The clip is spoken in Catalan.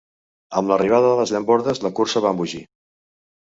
Amb l'arribada de les llambordes la cursa va embogir.